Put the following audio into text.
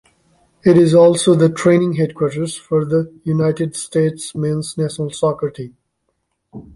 It is also the training headquarters for the United States men's national soccer team.